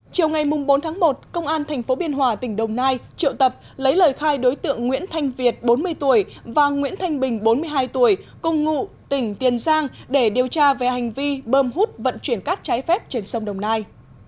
chiều ngày bốn tháng một công an tp biên hòa tỉnh đồng nai triệu tập lấy lời khai đối tượng nguyễn thanh việt bốn mươi tuổi và nguyễn thanh bình bốn mươi hai tuổi cùng ngụ tỉnh tiền giang để điều tra về hành vi bơm hút vận chuyển cát trái phép trên sông đồng nai